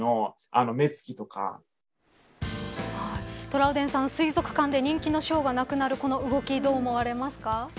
トラウデンさん、水族館で人気のショーがなくなるこの動きどう思われますか。